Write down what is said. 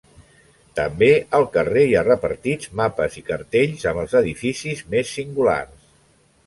També al carrer hi ha repartits mapes i cartells amb els edificis més singulars.